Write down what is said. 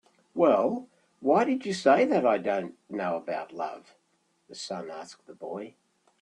"Well, why did you say that I don't know about love?" the sun asked the boy.